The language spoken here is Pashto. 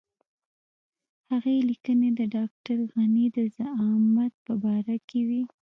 هغه لیکنې د ډاکټر غني د زعامت په باره کې وې.